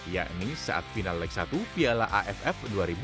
yakni saat final leg satu piala aff dua ribu dua puluh